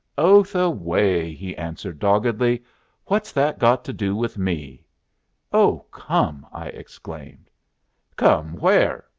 "Oath away," he answered, doggedly. "What's that got to do with me?" "Oh, come!" I exclaimed. "Come where?"